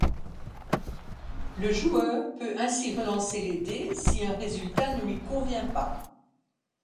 Le joueur peut ainsi relancer les dés si un résultat ne lui convient pas.